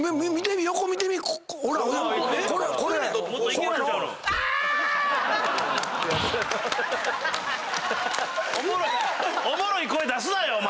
嘘⁉おもろい声出すなよ！